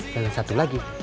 dan satu lagi